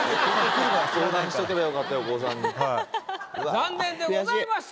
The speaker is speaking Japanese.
残念でございました。